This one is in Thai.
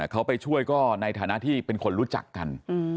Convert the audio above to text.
เขาไปช่วยก็ในฐานะที่เป็นคนรู้จักกัน